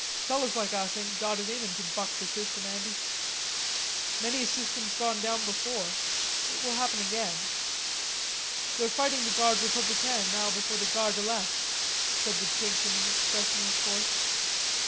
Fellers like us ain't got it in 'em to buck the system, Andy." "Many a system's gone down before; it will happen again." "They're fighting the Garde Republicaine now before the Gare de l'Est," said the Chink in an expressionless voice.